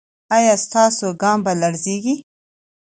ایا ستاسو ګام به لړزیږي؟